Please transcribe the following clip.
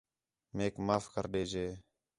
میک معاف کر ݙے جے